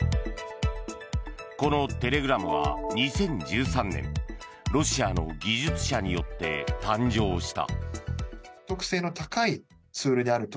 このテレグラムは２０１３年ロシアの技術者によって誕生した。